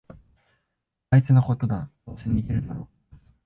あいつのことだ、どうせ逃げるだろ